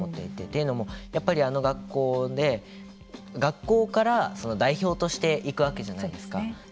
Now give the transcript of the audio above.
というのも学校で学校から代表として行くわけじゃないですか。